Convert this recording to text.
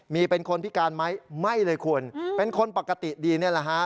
มีเป็นคนพิการไหมไม่เลยคุณเป็นคนปกติดีนี่แหละฮะ